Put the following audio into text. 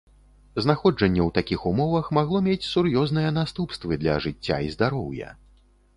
Знаходжанне ў такіх ўмовах магло мець сур'ёзныя наступствы для жыцця і здароўя.